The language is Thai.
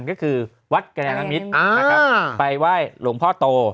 ก็คือวัดกรรยานมิตรไปไหว้หลวงพ่อโต